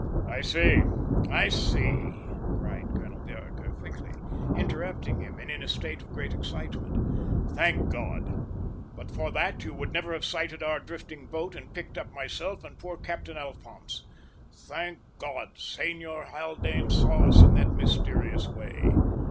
"I see, I see," cried Colonel Vereker quickly, interrupting him, and in a state of great excitement. "Thank God! But for that you would never have sighted our drifting boat and picked up myself and poor Captain Alphonse! Thank God, Senor Haldane saw us in that mysterious way.